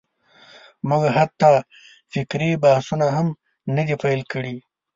موږ حتی فکري بحثونه هم نه دي پېل کړي.